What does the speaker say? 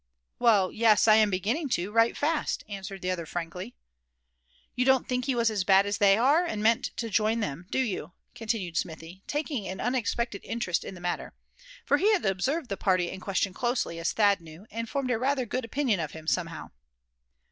"Well, yes, I am beginning to, right fast," answered the other, frankly. "You don't think he was as bad as they are, and meant to join them, do you?" continued Smithy, taking an unexpected interest in the matter; for he had observed the party in question closely, as Thad knew, and formed rather a good opinion of him, somehow.